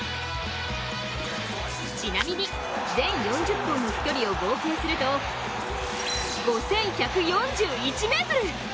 ちなみに全４０本の飛距離を合計すると５１４１ｍ。